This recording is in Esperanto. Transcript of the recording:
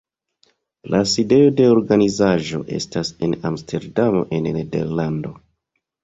La sidejo de organizaĵo estas en Amsterdamo en Nederlando.